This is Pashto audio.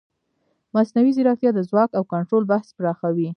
مصنوعي ځیرکتیا د ځواک او کنټرول بحث پراخوي.